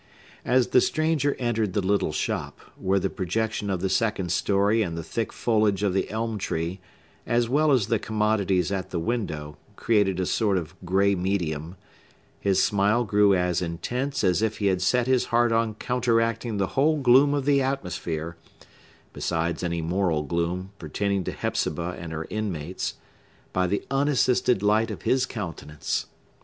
As the stranger entered the little shop, where the projection of the second story and the thick foliage of the elm tree, as well as the commodities at the window, created a sort of gray medium, his smile grew as intense as if he had set his heart on counteracting the whole gloom of the atmosphere (besides any moral gloom pertaining to Hepzibah and her inmates) by the unassisted light of his countenance.